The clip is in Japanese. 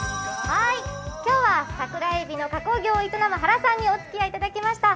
今日はさくらえびの加工業を営む原さんにお伝えいただきました。